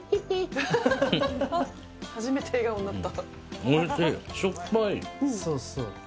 初めて笑顔になった。